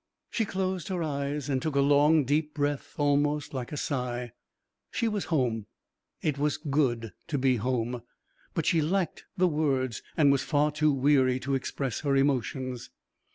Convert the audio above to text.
She closed her eyes and took a long deep breath almost like a sigh. She was home. It was good to be home, but she lacked the words and was far too weary to express her emotions.